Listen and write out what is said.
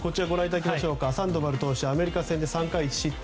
サンドバル投手はアメリカ戦で３回１失点。